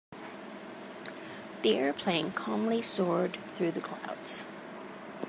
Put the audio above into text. The airplane calmly soared through the clouds.